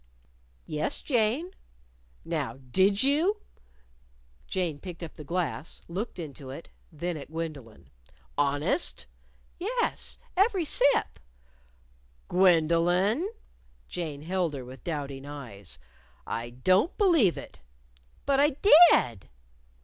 "Yes, Jane." "Now, did you?" Jane picked up the glass, looked into it, then at Gwendolyn. "Honest?" "Yes, every sip." "Gwendolyn?" Jane held her with doubting eyes. "I don't believe it!" "But I _did!